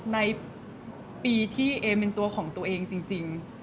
ในปีที่เอมเป็นตัวของตัวเองจริง